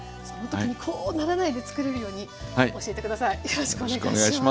よろしくお願いします。